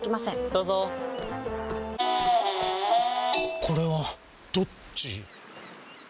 どうぞこれはどっち？